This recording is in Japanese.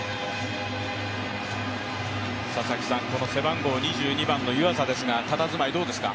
この背番号２２番の湯浅ですが、たたずまいいいですか？